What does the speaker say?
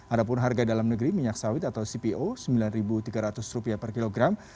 ada pun harga dalam negeri minyak sawit atau cpo rp sembilan tiga ratus per kilogram